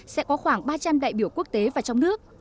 sẽ có khoảng ba trăm linh đại biểu quốc tế và trong nước